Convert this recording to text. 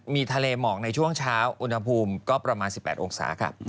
มีทะเลหมอกในช่วงเช้าอุณหภูมิก็ประมาณ๑๘องศาค่ะ